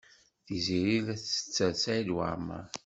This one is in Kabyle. Tiziri ad tetter Saɛid Waɛmaṛ.